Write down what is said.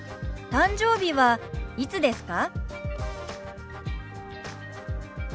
誕生日はいつですか？